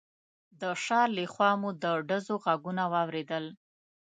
د شا له خوا مو د ډزو غږونه واورېدل.